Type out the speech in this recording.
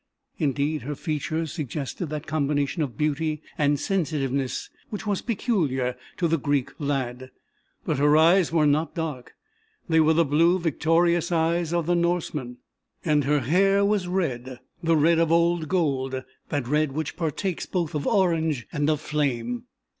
Indeed, her features suggested that combination of beauty and sensitiveness which was peculiar to the Greek lad, but her eyes were not dark they were the blue victorious eyes of the Norseman and her hair was red, the red of old gold, that red which partakes both of orange and of flame.